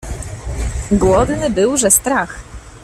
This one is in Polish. Głodny był, że strach.